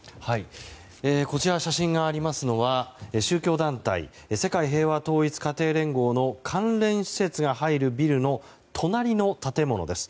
こちら写真がありますのは宗教団体世界平和統一家庭連合の関連施設が入るビルの隣の建物です。